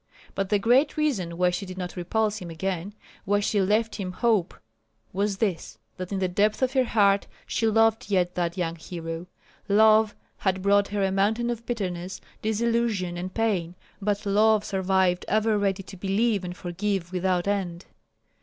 But the great reason why she did not repulse him again, why she left him hope, was this, that in the depth of her heart she loved yet that young hero. Love had brought her a mountain of bitterness, disillusion, and pain; but love survived ever ready to believe and forgive without end.